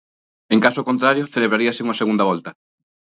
En caso contrario, celebraríase unha segunda volta.